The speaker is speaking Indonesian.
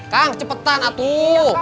kang cepetan atuh